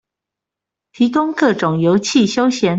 提供各種遊憩休閒